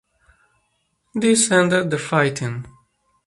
This ended the fighting.